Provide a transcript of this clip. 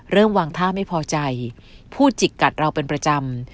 วางท่าไม่พอใจพูดจิกกัดเราเป็นประจำ